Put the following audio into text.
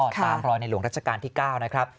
ตามรอยในหลวงรัชกาลที่๙นะครับ